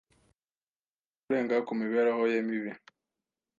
Yamufashije kurenga ku mibereho ye mibi.